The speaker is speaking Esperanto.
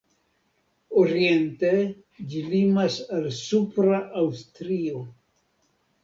Oriente ĝi limas al Supra Aŭstrio.